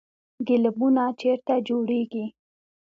ګلیمونه چیرته جوړیږي؟